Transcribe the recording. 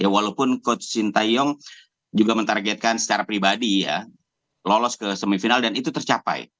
walaupun coach sintayong juga mentargetkan secara pribadi ya lolos ke semifinal dan itu tercapai